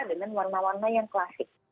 dengan warna warna yang klasik